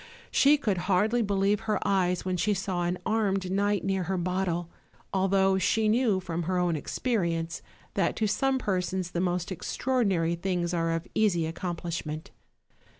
She could hardly believe her eyes when she saw an armed knight near her bottle, although she knew, from her own experience, that to some persons the most extraordinary things are of easy accomplish ment.